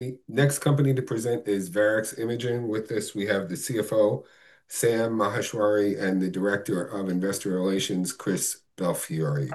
The next company to present is Varex Imaging. With us, we have the CFO, Sam Maheshwari, and the Director of Investor Relations, Chris Belfiore.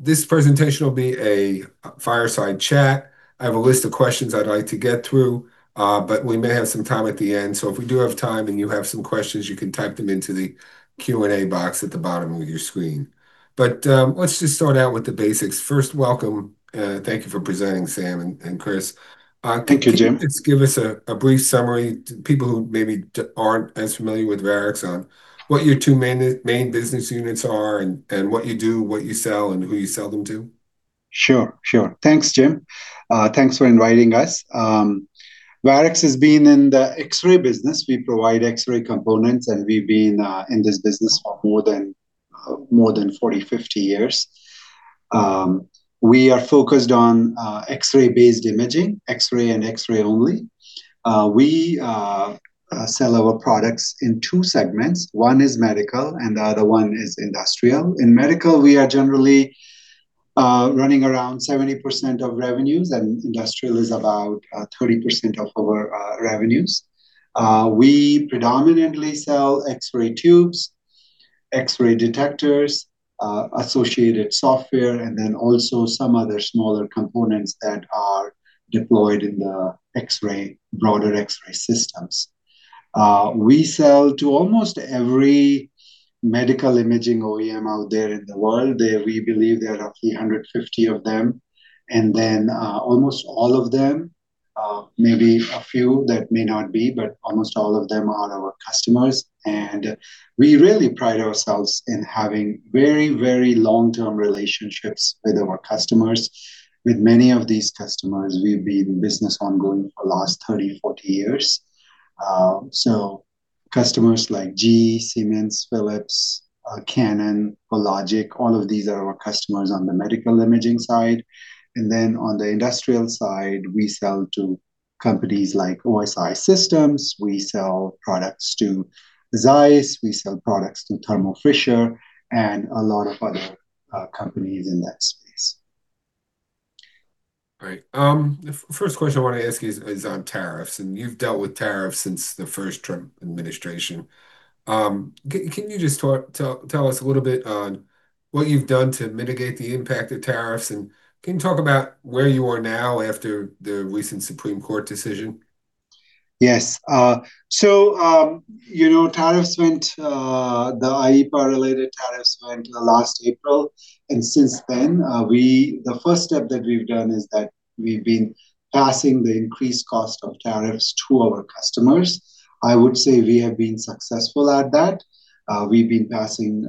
This presentation will be a fireside chat. I have a list of questions I'd like to get through, but we may have some time at the end. If we do have time and you have some questions, you can type them into the Q&A box at the bottom of your screen. Let's just start out with the basics. First, welcome, and thank you for presenting, Sam and Chris. Thank you, Jim. Can you just give us a brief summary to people who maybe aren't as familiar with Varex on what your two main business units are and what you do, what you sell and who you sell them to? Sure. Thanks, Jim. Thanks for inviting us. Varex has been in the X-ray business. We provide X-ray components, and we've been in this business for more than 40, 50 years. We are focused on X-ray-based imaging, X-ray and X-ray only. We sell our products in two segments. One is medical and the other one is industrial. In medical, we are generally running around 70% of revenues, and industrial is about 30% of our revenues. We predominantly sell X-ray tubes, X-ray detectors, associated software, and then also some other smaller components that are deployed in the broader X-ray systems. We sell to almost every medical imaging OEM out there in the world. We believe there are roughly 150 of them. Almost all of them, maybe a few that may not be, but almost all of them are our customers. We really pride ourselves in having very, very long-term relationships with our customers. With many of these customers, we've been in business ongoing for the last 30, 40 years. Customers like GE, Siemens, Philips, Canon, Hologic, all of these are our customers on the medical imaging side. On the industrial side, we sell to companies like OSI Systems. We sell products to Zeiss, we sell products to Thermo Fisher and a lot of other companies in that space. All right. The first question I want to ask you is on tariffs, and you've dealt with tariffs since the first Trump administration. Can you just tell us a little bit on what you've done to mitigate the impact of tariffs, and can you talk about where you are now after the recent Supreme Court decision? Yes. The IEEPA-related tariffs went last April. Since then, the first step that we've done is that we've been passing the increased cost of tariffs to our customers. I would say we have been successful at that. We've been passing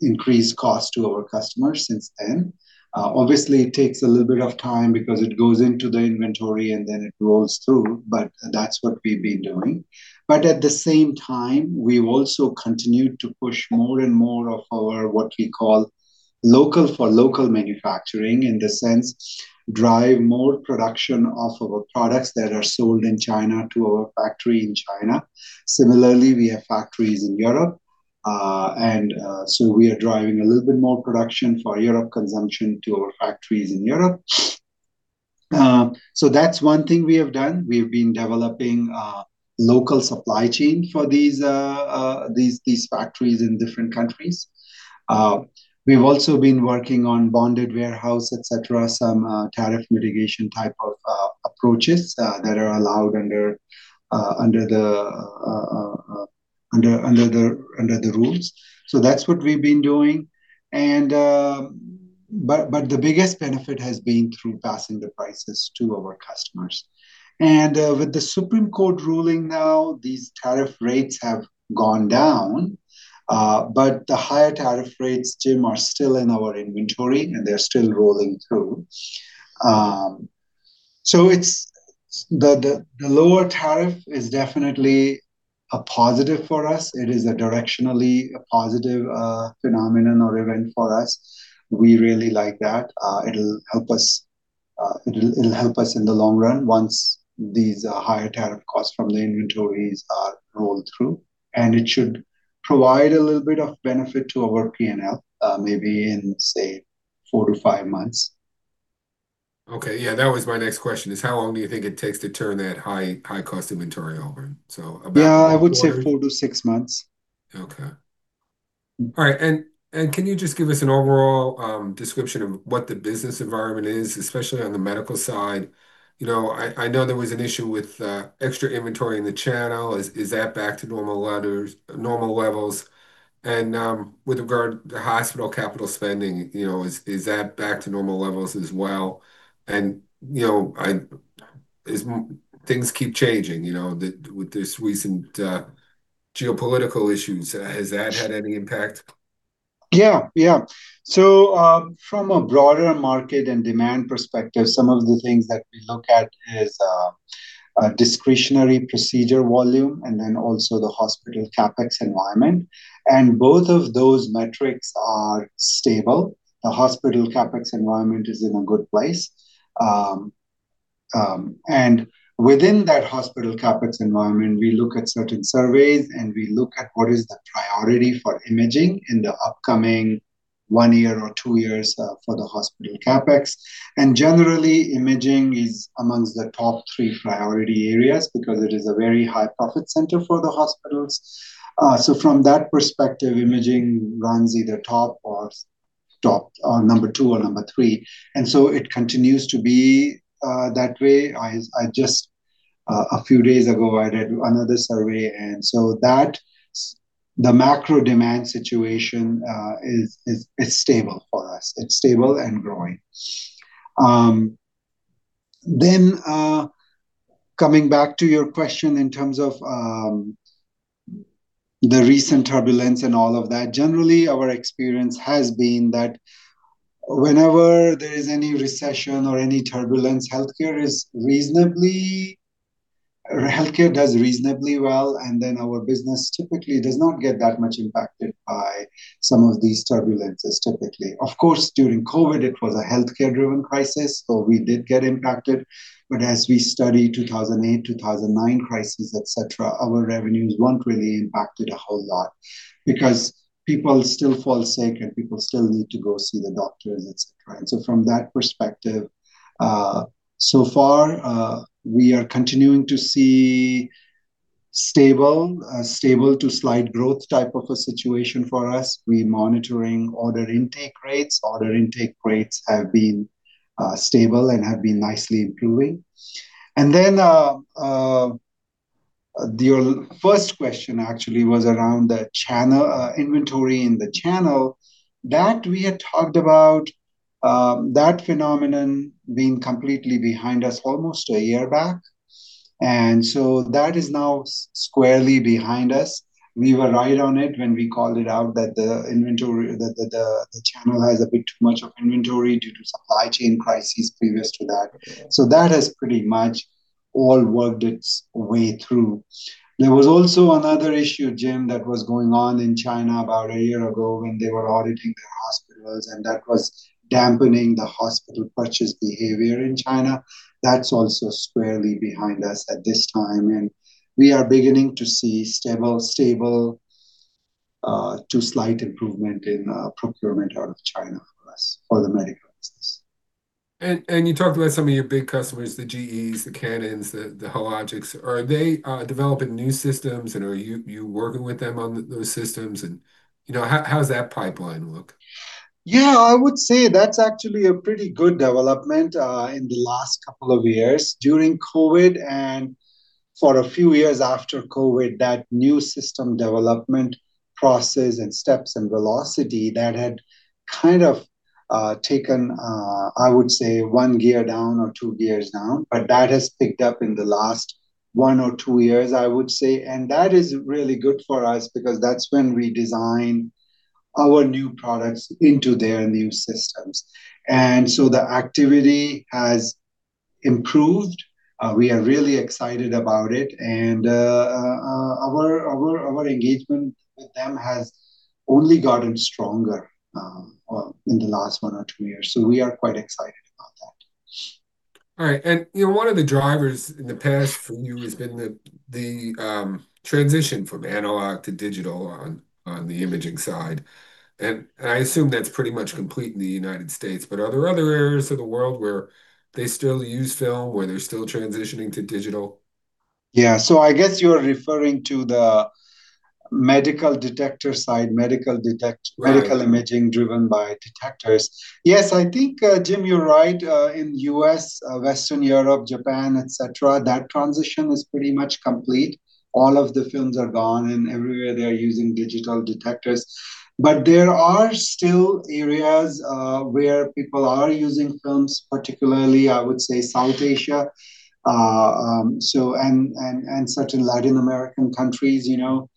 increased costs to our customers since then. Obviously, it takes a little bit of time because it goes into the inventory and then it rolls through, but that's what we've been doing. At the same time, we've also continued to push more and more of our, what we call local for local manufacturing, in the sense drive more production of our products that are sold in China to our factory in China. Similarly, we have factories in Europe, and so we are driving a little bit more production for European consumption to our factories in Europe. That's one thing we have done. We've been developing a local supply chain for these factories in different countries. We've also been working on bonded warehouse, et cetera, some tariff mitigation type of approaches that are allowed under the rules. That's what we've been doing. The biggest benefit has been through passing the prices to our customers. With the Supreme Court ruling now, these tariff rates have gone down, but the higher tariff rates, Jim, are still in our inventory, and they're still rolling through. The lower tariff is definitely a positive for us. It is directionally a positive phenomenon or event for us. We really like that. It'll help us in the long run once these higher tariff costs from the inventories are rolled through, and it should provide a little bit of benefit to our P&L, maybe in, say, four to five months. Okay. Yeah, that was my next question, is how long do you think it takes to turn that high-cost inventory over? About four- Yeah, I would say four to six months. Okay. Can you just give us an overall description of what the business environment is, especially on the medical side? You know, I know there was an issue with extra inventory in the channel. Is that back to normal levels? With regard to hospital capital spending, you know, is that back to normal levels as well? Things keep changing, you know. With this recent geopolitical issues, has that had any impact? Yeah. From a broader market and demand perspective, some of the things that we look at is a discretionary procedure volume and then also the hospital CapEx environment. Both of those metrics are stable. The hospital CapEx environment is in a good place. Within that hospital CapEx environment, we look at certain surveys, and we look at what is the priority for imaging in the upcoming one year or two years for the hospital CapEx. Generally, imaging is amongst the top 3 priority areas because it is a very high profit center for the hospitals. From that perspective, imaging runs either top or number 2 or number 3. It continues to be that way. I just a few days ago I read another survey, and that's, the macro demand situation, it's stable for us. It's stable and growing. Coming back to your question in terms of the recent turbulence and all of that, generally, our experience has been that whenever there is any recession or any turbulence, healthcare does reasonably well, and then our business typically does not get that much impacted by some of these turbulences typically. Of course, during COVID, it was a healthcare-driven crisis, so we did get impacted. As we study 2008, 2009 crisis, et cetera, our revenues weren't really impacted a whole lot because people still fall sick, and people still need to go see the doctors, et cetera. From that perspective, so far, we are continuing to see stable to slight growth type of a situation for us. We're monitoring order intake rates. Order intake rates have been stable and have been nicely improving. Your first question actually was around the channel, inventory in the channel. That we had talked about, that phenomenon being completely behind us almost a year back. That is now squarely behind us. We were right on it when we called it out that the inventory that the channel has a bit too much of inventory due to supply chain crises previous to that. That has pretty much all worked its way through. There was also another issue, Jim, that was going on in China about a year ago when they were auditing their hospitals, and that was dampening the hospital purchase behavior in China. That's also squarely behind us at this time, and we are beginning to see stable to slight improvement in procurement out of China for us, for the medical business. You talked about some of your big customers, the GEs, the Canons, the Hologic's. Are they developing new systems, and are you working with them on those systems? You know, how does that pipeline look? Yeah, I would say that's actually a pretty good development in the last couple of years during COVID and for a few years after COVID, that new system development process and steps and velocity that had kind of taken, I would say one gear down or two gears down. That has picked up in the last one or two years, I would say. That is really good for us because that's when we design our new products into their new systems. The activity has improved. We are really excited about it. Our engagement with them has only gotten stronger in the last one or two years. We are quite excited about that. All right. You know, one of the drivers in the past for you has been the transition from analog to digital on the imaging side. I assume that's pretty much complete in the United States. Are there other areas of the world where they still use film, where they're still transitioning to digital? Yeah. I guess you're referring to the medical detector side. Medical imaging driven by detectors. Yes. I think, Jim, you're right. In U.S., Western Europe, Japan, et cetera, that transition is pretty much complete. All of the films are gone, and everywhere they are using digital detectors. There are still areas where people are using films, particularly, I would say, South Asia. Certain Latin American countries, you know.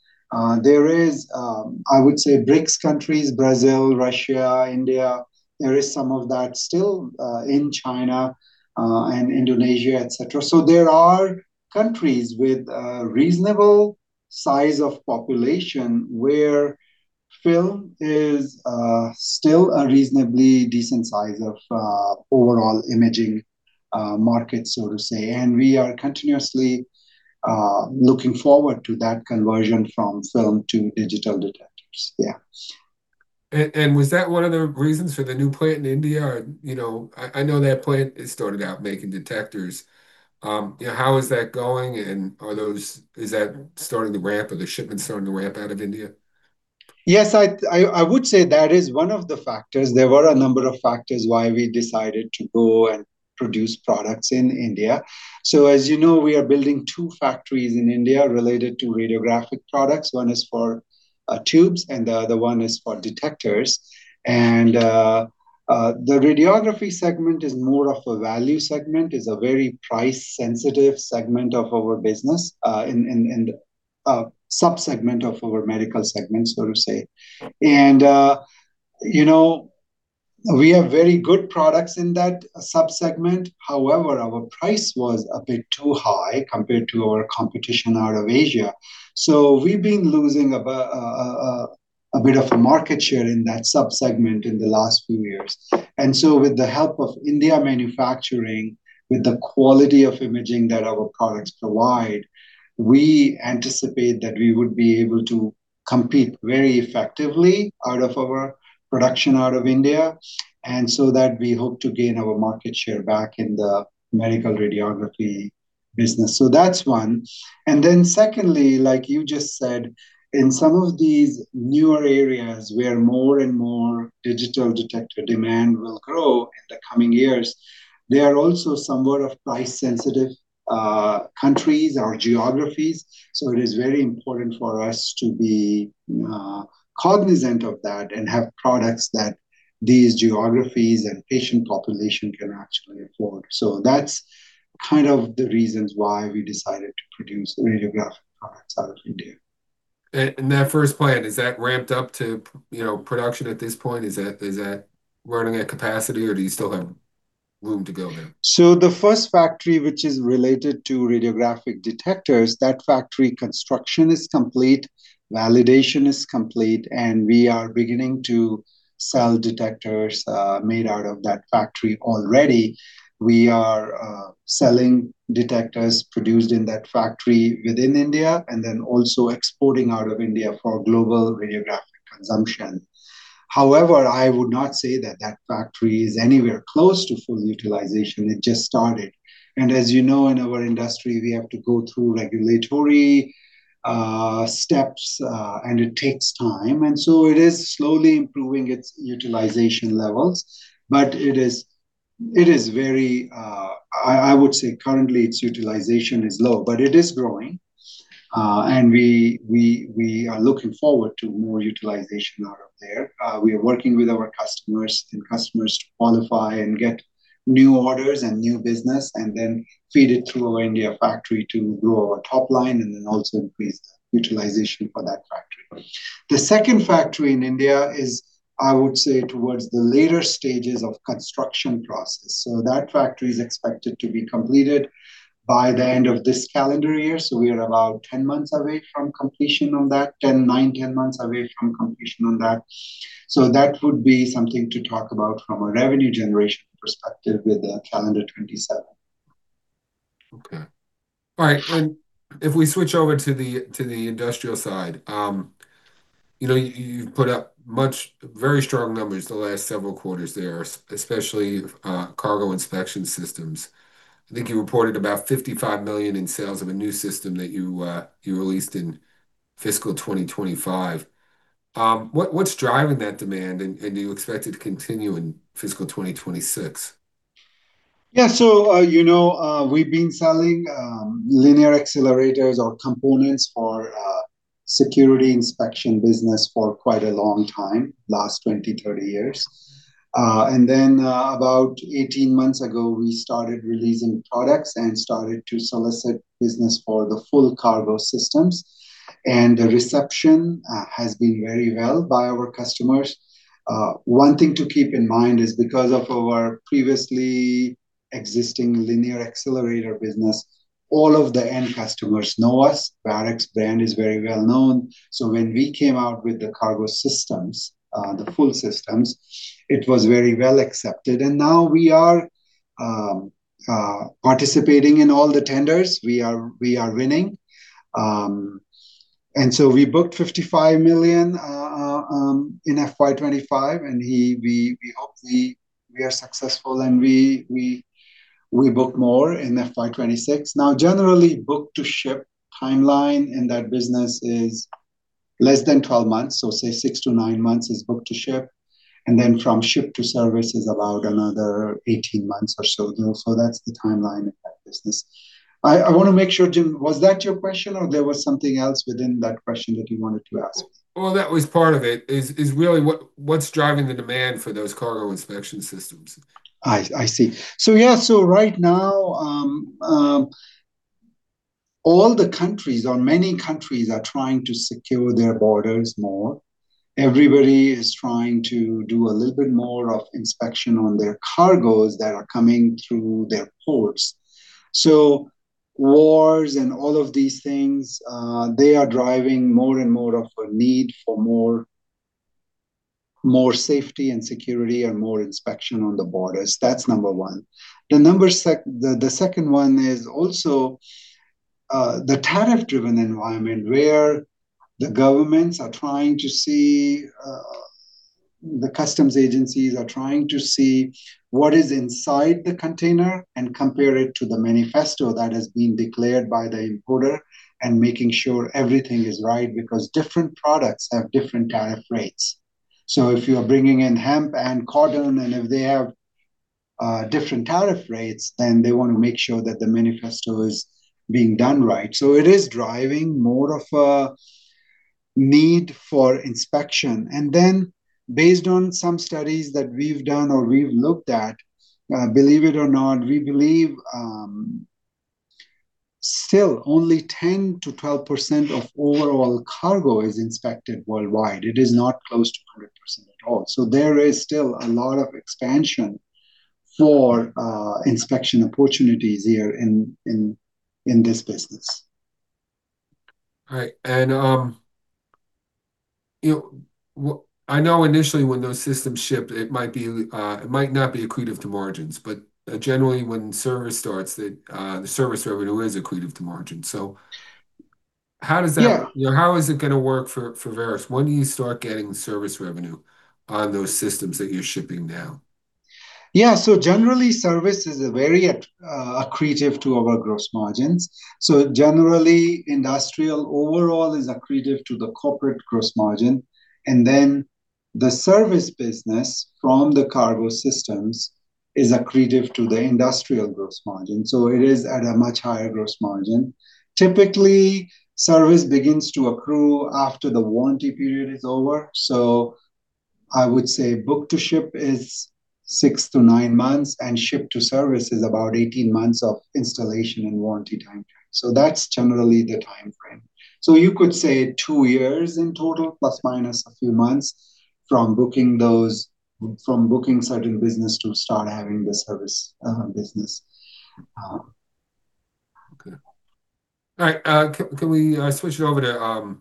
There is, I would say, BRICS countries, Brazil, Russia, India. There is some of that still in China and Indonesia, et cetera. There are countries with reasonable size of population where film is still a reasonably decent size of overall imaging market, so to say. We are continuously looking forward to that conversion from film to digital detectors. Yeah. Was that one of the reasons for the new plant in India? You know, I know that plant, it started out making detectors. You know, how is that going, and is that starting to ramp, are the shipments starting to ramp out of India? Yes. I would say that is one of the factors. There were a number of factors why we decided to go and produce products in India. As you know, we are building two factories in India related to radiographic products. One is for tubes, and the other one is for detectors. The radiography segment is more of a value segment, is a very price-sensitive segment of our business, and a subsegment of our medical segment, so to say. You know, we have very good products in that subsegment. However, our price was a bit too high compared to our competition out of Asia. We've been losing a bit of a market share in that subsegment in the last few years. With the help of Indian manufacturing, with the quality of imaging that our products provide, we anticipate that we would be able to compete very effectively out of our production out of India, and so that we hope to gain our market share back in the medical radiography business. That's one. Secondly, like you just said, in some of these newer areas where more and more digital detector demand will grow in the coming years, they are also somewhat of price-sensitive countries or geographies. It is very important for us to be cognizant of that and have products that these geographies and patient population can actually afford. That's kind of the reasons why we decided to produce radiographic products out of India. That first plant, is that ramped up to, you know, production at this point? Is that running at capacity, or do you still have room to go there? The first factory which is related to radiographic detectors, that factory construction is complete, validation is complete, and we are beginning to sell detectors made out of that factory already. We are selling detectors produced in that factory within India, and then also exporting out of India for global radiographic consumption. However, I would not say that that factory is anywhere close to full utilization. It just started. As you know, in our industry, we have to go through regulatory steps, and it takes time. It is slowly improving its utilization levels, but it is very. I would say currently its utilization is low, but it is growing. We are looking forward to more utilization out of there. We are working with our customers and customers to qualify and get new orders and new business, and then feed it through our India factory to grow our top line and then also increase the utilization for that factory. The second factory in India is, I would say, towards the later stages of construction process. That factory is expected to be completed by the end of this calendar year. We are about 10 months away from completion on that. That would be something to talk about from a revenue generation perspective with calendar 2027. Okay. All right. If we switch over to the industrial side, you know, you've put up very strong numbers the last several quarters there especially, cargo inspection systems. I think you reported about $55 million in sales of a new system that you released in fiscal 2025. What's driving that demand? Do you expect it to continue in fiscal 2026? Yeah. You know, we've been selling linear accelerators or components for the security inspection business for quite a long time, last 20-30 years. About 18 months ago, we started releasing products and started to solicit business for the full cargo systems. The reception has been very well-received by our customers. One thing to keep in mind is because of our previously existing linear accelerator business, all of the end customers know us. The Varex brand is very well known. When we came out with the cargo systems, the full systems, it was very well accepted. Now we are participating in all the tenders. We are winning. We booked $55 million in FY 2025, and we hope we are successful, and we book more in FY 2026. Now, generally, book-to-ship timeline in that business is less than 12 months. Say six to nine months is book to ship. From ship to service is about another 18 months or so. That's the timeline of that business. I wanna make sure, Jim, was that your question, or there was something else within that question that you wanted to ask? Well, that was part of it, is really what's driving the demand for those cargo inspection systems? I see. Yeah. Right now, all the countries or many countries are trying to secure their borders more. Everybody is trying to do a little bit more of inspection on their cargos that are coming through their ports. Wars and all of these things, they are driving more and more of a need for more safety and security and more inspection on the borders. That's number one. The second one is also the tariff-driven environment where the governments are trying to see, the customs agencies are trying to see what is inside the container and compare it to the manifesto that has been declared by the importer and making sure everything is right because different products have different tariff rates. If you are bringing in hemp and cotton, and if they have different tariff rates, then they want to make sure that the manifesto is being done right. It is driving more of a need for inspection. Then based on some studies that we've done or we've looked at, believe it or not, we believe still only 10%-12% of overall cargo is inspected worldwide. It is not close to 100% at all. There is still a lot of expansion for inspection opportunities here in this business. All right. You know, I know initially when those systems shipped, it might be, it might not be accretive to margins, but generally when service starts, the service revenue is accretive to margin. How does that, you know, how is it gonna work for Varex? When do you start getting service revenue on those systems that you're shipping now? Yeah. Generally, service is very accretive to our gross margins. Generally, industrial overall is accretive to the corporate gross margin, and then the service business from the cargo systems is accretive to the industrial gross margin. It is at a much higher gross margin. Typically, service begins to accrue after the warranty period is over. I would say book to ship is six to nine months, and ship to service is about 18 months of installation and warranty time. That's generally the timeframe. You could say two years in total, plus or minus a few months from booking certain business to start having the service business. Okay. All right. Can we switch over to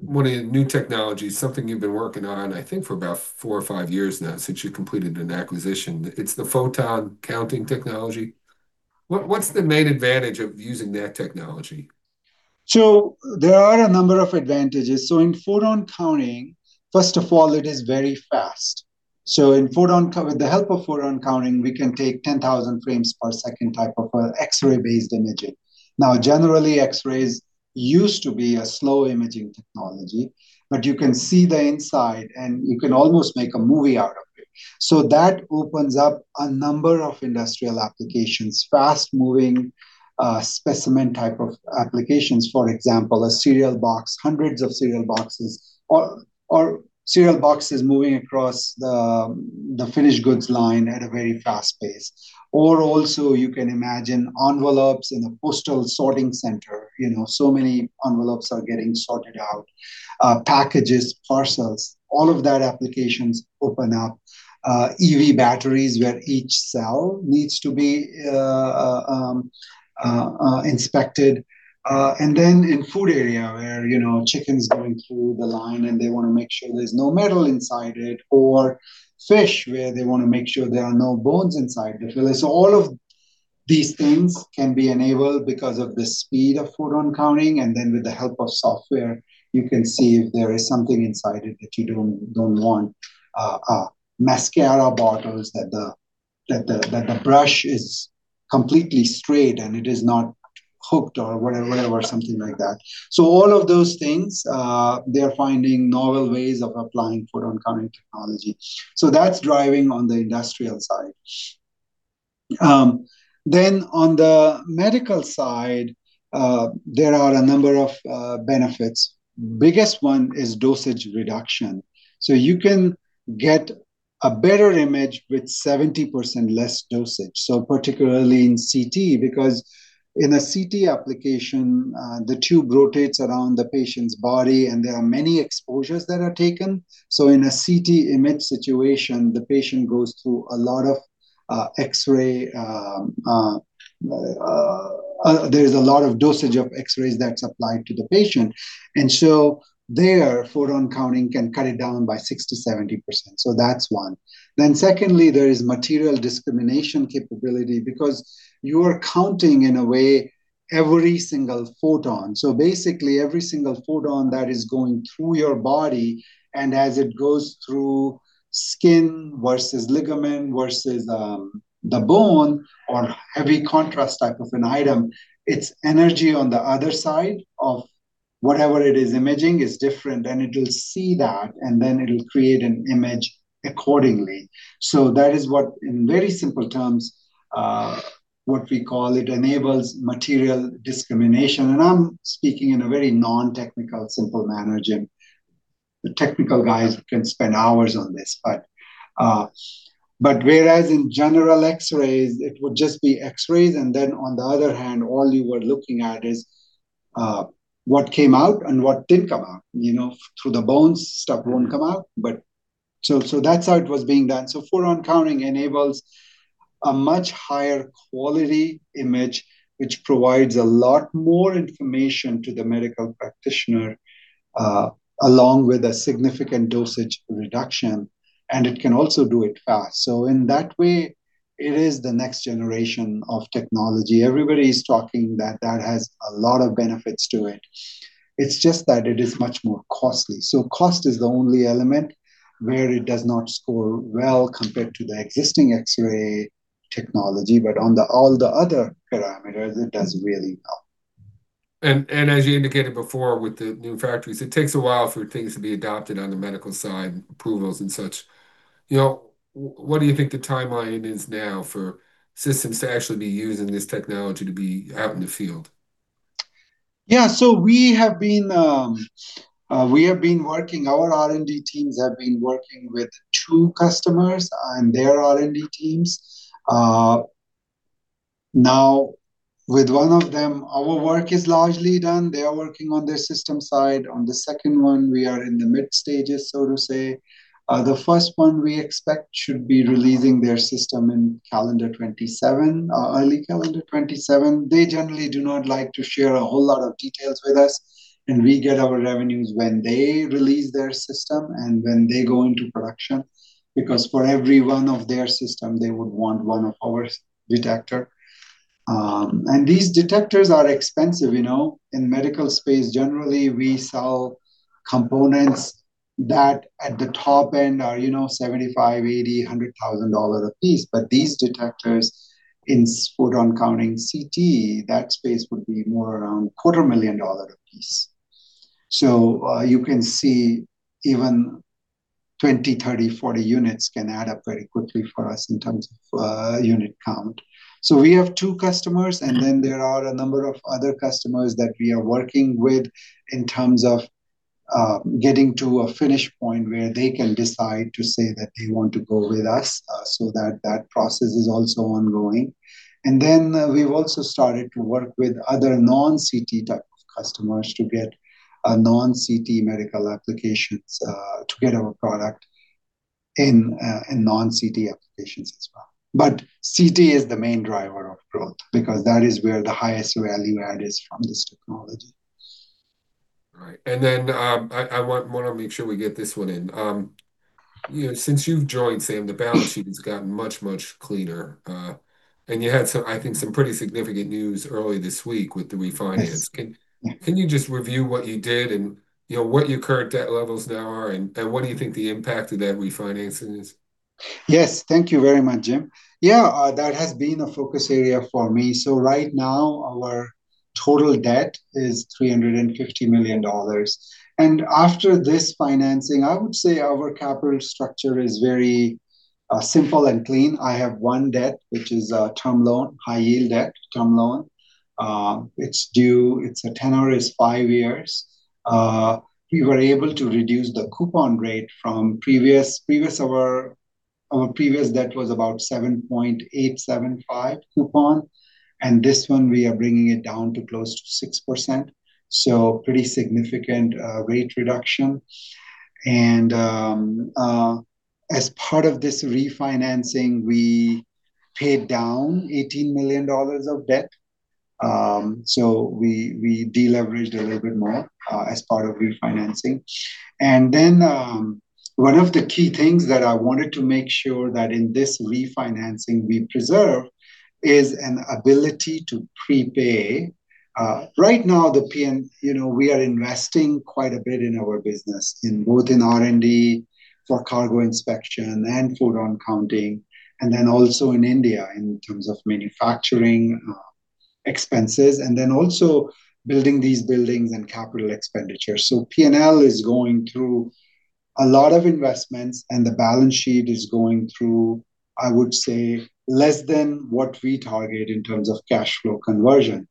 one of the new technologies, something you've been working on, I think for about four or five years now since you completed an acquisition. It's the photon counting technology. What's the main advantage of using that technology? There are a number of advantages. In photon counting, first of all, it is very fast. With the help of photon counting, we can take 10,000 frames per second type of X-ray based imaging. Now, generally, X-rays used to be a slow imaging technology, but you can see the inside, and you can almost make a movie out of it. That opens up a number of industrial applications, fast-moving specimen type of applications. For example, a cereal box, hundreds of cereal boxes or cereal boxes moving across the finished goods line at a very fast pace. You can also imagine envelopes in a postal sorting center. You know, so many envelopes are getting sorted out, packages, parcels, all of that. Applications open up. EV batteries where each cell needs to be inspected. In food area where, you know, chickens going through the line, and they wanna make sure there's no metal inside it, or fish where they wanna make sure there are no bones inside it. All of these things can be enabled because of the speed of photon counting. With the help of software, you can see if there is something inside it that you don't want. Mascara bottles that the brush is completely straight and it is not hooked or whatever, something like that. All of those things, they're finding novel ways of applying photon counting technology. That's driving on the industrial side. On the medical side, there are a number of benefits. Biggest one is dosage reduction. You can get a better image with 70% less dosage. Particularly in CT, because in a CT application, the tube rotates around the patient's body, and there are many exposures that are taken. In a CT image situation, there's a lot of dosage of X-rays that's applied to the patient. There, photon counting can cut it down by 60%-70%. That's one. Secondly, there is material discrimination capability because you are counting in a way every single photon. Basically, every single photon that is going through your body, and as it goes through skin versus ligament versus the bone or heavy contrast type of an item, its energy on the other side of whatever it is imaging is different, and it'll see that, and then it'll create an image accordingly. That is what, in very simple terms, what we call it enables material discrimination. I'm speaking in a very non-technical, simple manner, Jim. The technical guys can spend hours on this. Whereas in general X-rays, it would just be X-rays, and then on the other hand, all you were looking at is what came out and what didn't come out. You know, through the bones, stuff won't come out, but, so that's how it was being done. Photon counting enables a much higher quality image, which provides a lot more information to the medical practitioner, along with a significant dosage reduction, and it can also do it fast. In that way, it is the next generation of technology. Everybody is talking that it has a lot of benefits to it. It's just that it is much more costly. Cost is the only element where it does not score well compared to the existing X-ray technology. But on all the other parameters, it does really well. As you indicated before with the new factories, it takes a while for things to be adopted on the medical side, approvals and such. You know, what do you think the timeline is now for systems to actually be using this technology to be out in the field? Yeah. Our R&D teams have been working with two customers and their R&D teams. Now, with one of them, our work is largely done. They are working on their system side. On the second one, we are in the mid stages, so to say. The first one we expect should be releasing their system in calendar 2027, early calendar 2027. They generally do not like to share a whole lot of details with us. We get our revenues when they release their system and when they go into production. Because for every one of their system, they would want one of our detector. These detectors are expensive, you know. In medical space generally, we sell components that at the top end are, you know, $75,000, $80,000, $100,000 a piece. These detectors in photon counting CT, that space would be more around $250,000 a piece. You can see even 20, 30, 40 units can add up very quickly for us in terms of unit count. We have two customers, and then there are a number of other customers that we are working with in terms of getting to a finish point where they can decide to say that they want to go with us, so that process is also ongoing. We've also started to work with other non-CT type of customers to get into non-CT medical applications, to get our product in non-CT applications as well. CT is the main driver of growth because that is where the highest value add is from this technology. All right. I wanna make sure we get this one in. You know, since you've joined, Sam, the balance sheet has gotten much cleaner. You had some, I think, pretty significant news early this week with the refinance. Can you just review what you did, and you know, what your current debt levels now are, and what do you think the impact of that refinancing is? Yes. Thank you very much, Jim. Yeah, that has been a focus area for me. Right now, our total debt is $350 million. After this financing, I would say our capital structure is very simple and clean. I have one debt, which is a term loan, high-yield debt term loan. Its tenor is five years. We were able to reduce the coupon rate from our previous debt, which was about 7.875 coupon, and this one we are bringing it down to close to 6%, so pretty significant rate reduction. As part of this refinancing, we paid down $18 million of debt, so we de-leveraged a little bit more, as part of refinancing. One of the key things that I wanted to make sure that in this refinancing we preserve is an ability to prepay. Right now the P&L, you know, we are investing quite a bit in our business in both R&D for cargo inspection and photon counting, and then also in India in terms of manufacturing, expenses, and then also building these buildings and capital expenditures. P&L is going through a lot of investments, and the balance sheet is going through, I would say, less than what we target in terms of cash flow conversion.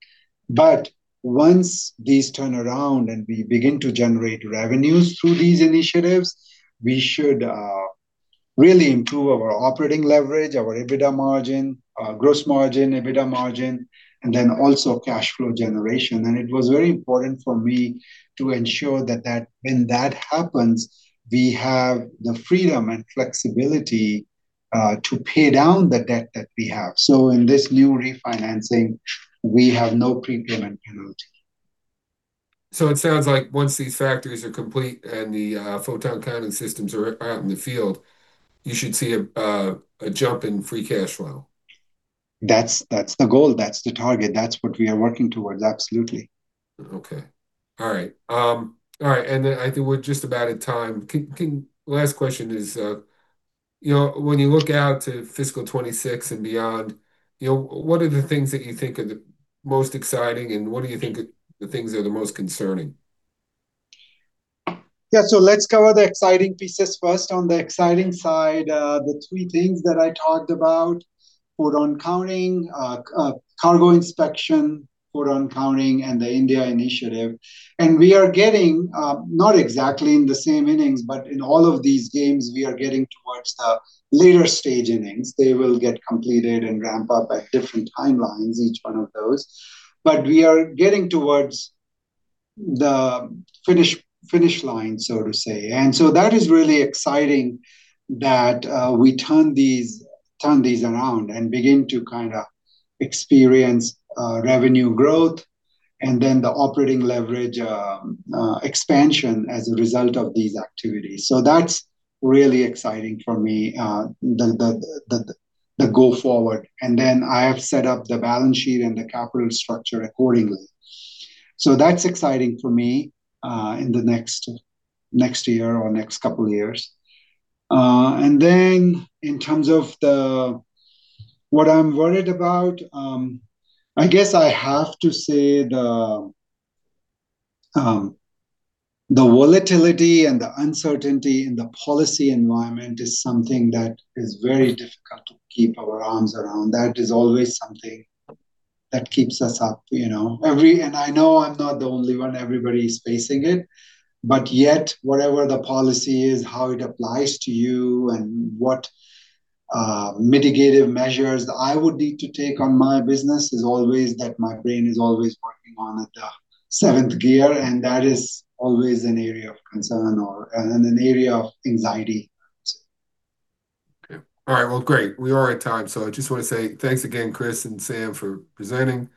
Once these turn around and we begin to generate revenues through these initiatives, we should really improve our operating leverage, our EBITDA margin, gross margin, EBITDA margin, and then also cash flow generation. It was very important for me to ensure that when that happens, we have the freedom and flexibility to pay down the debt that we have. In this new refinancing, we have no prepayment penalty. It sounds like once these factories are complete and the photon counting systems are out in the field, you should see a jump in free cash flow. That's the goal. That's the target. That's what we are working towards. Absolutely. Okay. All right. I think we're just about at time. Last question is, you know, when you look out to fiscal 2026 and beyond, you know, what are the things that you think are the most exciting, and what do you think are the things that are the most concerning? Yeah. Let's cover the exciting pieces first. On the exciting side, the three things that I talked about, photon counting, cargo inspection, and the India initiative. We are getting not exactly in the same innings, but in all of these games we are getting towards the later stage innings. They will get completed and ramp up at different timelines, each one of those. We are getting towards the finish line, so to say. That is really exciting that we turn these around and begin to kinda experience revenue growth and then the operating leverage expansion as a result of these activities. That's really exciting for me, the go-forward. Then I have set up the balance sheet and the capital structure accordingly. That's exciting for me in the next year or next couple years. In terms of what I'm worried about, I guess I have to say the volatility and the uncertainty in the policy environment is something that is very difficult to keep our arms around. That is always something that keeps us up, you know. I know I'm not the only one. Everybody's facing it. Yet, whatever the policy is, how it applies to you, and what mitigative measures I would need to take on my business is always that my brain is always working on at the seventh gear, and that is always an area of concern or an area of anxiety. Okay. All right. Well, great. We are at time, so I just wanna say thanks again, Chris and Sam, for presenting.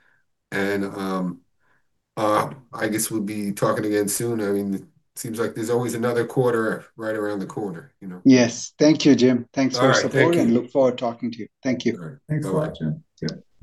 I guess we'll be talking again soon. I mean, it seems like there's always another quarter right around the corner, you know. Yes. Thank you, Jim. All right. Thank you. Thanks for supporting. Look forward talking to you. Thank you. All right. Thanks a lot, Jim.